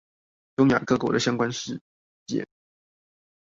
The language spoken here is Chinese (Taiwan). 東亞各國的相關事件